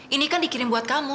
ini kan dikirim buat kamu